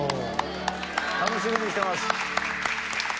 楽しみにしてます。